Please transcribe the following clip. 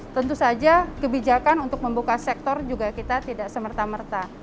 tentu saja kebijakan untuk membuka sektor juga kita tidak semerta merta